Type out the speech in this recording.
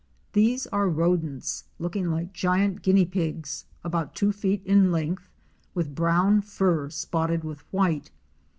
These are rodents, looking like giant Guinea pigs about two feet in length, with brown fur spotted with white.